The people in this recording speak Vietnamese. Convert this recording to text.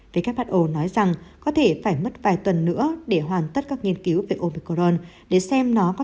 who nói rằng có thể phải mất vài tuần nữa để hoàn tất các nghiên cứu về opicorn để xem nó có